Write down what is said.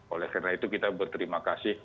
oleh karena itu kita berterimakasih